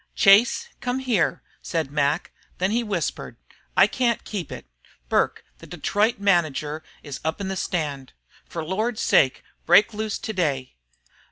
"Chase, come here," said Mac; then he whispered, "I can't keep it. Burke, the Detroit manager, is up in the stand. For Lord's sake, break loose today.